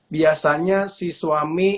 biasanya si suami